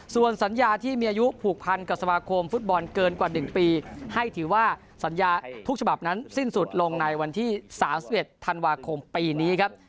ส่วนสัญญาที่มีอายุผูกพันกับสมาคมฟุตบอลเกินกว่า๑ปีให้ถือว่าสัญญาทุกฉบับนั้นสิ้นสุดลงในวันที่๓๑ธันวาคมปีนี้ครับ